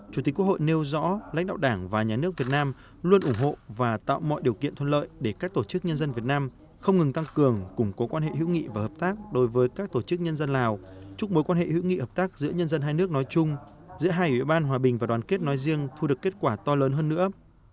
chủ tịch quốc hội nêu rõ lãnh đạo đảng và nhà nước việt nam luôn ủng hộ và tạo mọi điều kiện thuận lợi để các tổ chức nhân dân việt nam không ngừng tăng cường củng cố quan hệ hữu nghị và hợp tác đối với các tổ chức nhân dân lào chúc mối quan hệ hữu nghị hợp tác giữa nhân dân hai nước nói chung giữa hai ủy ban hòa bình và đoàn kết nói riêng thu được kết quả to lớn hơn nữa